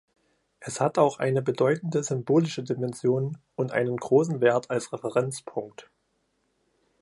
Es hat auch eine bedeutende symbolische Dimension und einen großen Wert als Referenzpunkt.